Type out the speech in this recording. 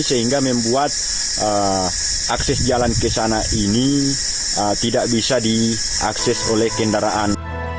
sehingga membuat akses jalan ke sana ini tidak bisa diakses oleh kendaraan